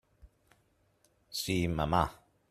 Sí, mamà.